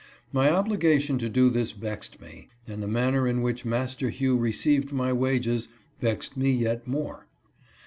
My obligation to do this vexed me, and the manner in which Master Hugh received my wages vexed me yet more.